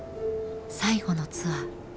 最後のツアー。